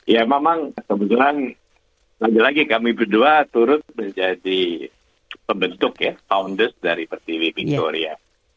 ya memang kebetulan lagi lagi kami berdua turut menjadi pembentuk ya founders dari persiwi pinkloria